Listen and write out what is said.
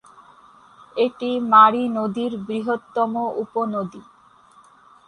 এটি মারি নদীর বৃহত্তম উপনদী।